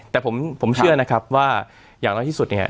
แต่ผมเชื่อนะครับว่าอย่างน้อยที่สุดเนี่ย